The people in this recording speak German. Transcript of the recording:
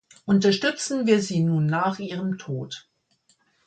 Unterstützen wir sie nun nach ihrem Tod.